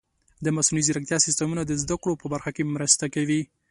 د مصنوعي ځیرکتیا سیستمونه د زده کړو په برخه کې مرسته کوي.